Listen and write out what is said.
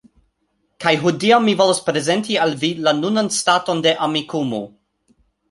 Kaj hodiaŭ mi volas prezenti al vi la nunan staton de Amikumu